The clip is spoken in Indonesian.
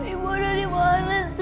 ibu dari mana sih